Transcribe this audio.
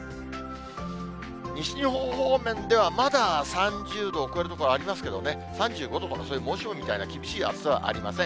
西日本方面では、まだ３０度を超える所はありますけどね、３５度とかそういう猛暑日みたいな厳しい暑さはありません。